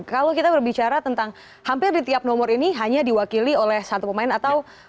kalau kita berbicara tentang hampir di tiap nomor ini hanya diwakili oleh satu pemain atau